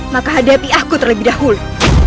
maka hadapi aku terlebih dahulu